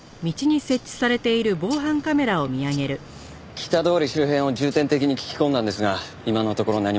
北通り周辺を重点的に聞き込んだんですが今のところ何も。